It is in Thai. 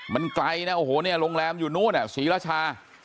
มันไกลนะโอ้โหเนี่ยโรงแรมอยู่นู้นศรีราชา